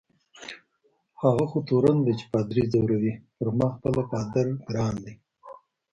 هغه خو تورن دی چي پادري ځوروي، پر ما خپله پادر ګران دی.